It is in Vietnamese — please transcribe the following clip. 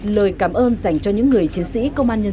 lời cảm ơn dành cho những người chiến sĩ công an nhân dân việt nam